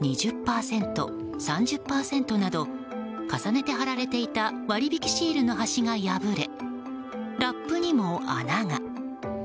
２０％、３０％など重ねて貼られていた割引シールの端が破れラップにも穴が。